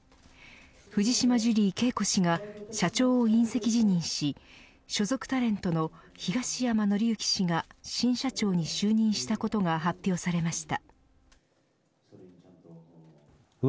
藤島ジュリー景子氏が社長を引責辞任し所属タレントの東山紀之氏が新社長に就任したことが発表されました。